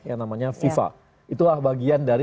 yang namanya fifa itulah bagian dari